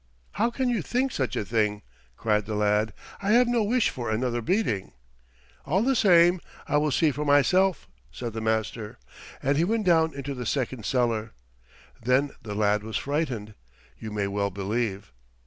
"How can you think such a thing!" cried the lad. "I have no wish for another beating." "All the same, I will see for myself," said the master, and he went down into the second cellar. Then the lad was frightened, you may well believe.